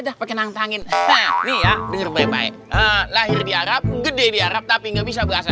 ada pakenang tangan nih ya denger baik baik lahir di arab gede di arab tapi nggak bisa berasa